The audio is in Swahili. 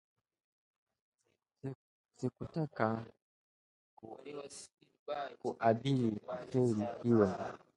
Sikutaka kuabiri feri hio